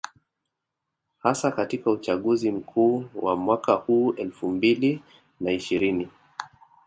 Hasa katika uchaguzi mkuu wa mwaka huu elfu mbili na ishirini